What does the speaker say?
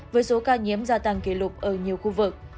với số ca nhiễm gia tăng kỷ lục ở nhiều khu vực